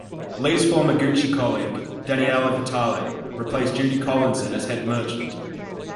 Lee's former Gucci colleague, Daniella Vitale, replaced Judy Collinson as head merchant.